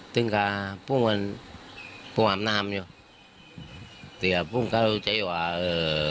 ตั้งแต่พวกมันพวกมันอาบน้ำอยู่แต่พวกมันก็รู้จัยว่าเอ่อ